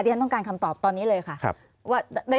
ฉันต้องการคำตอบตอนนี้เลยค่ะ